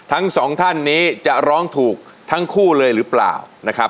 ทั้งสองท่านนี้จะร้องถูกทั้งคู่เลยหรือเปล่านะครับ